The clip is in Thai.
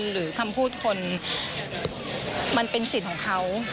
หรือคำพูดคนมันเป็นสิทธิ์ของเขา